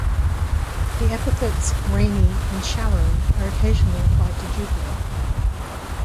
The epithets Rainy and Showery are occasionally applied to Jupiter.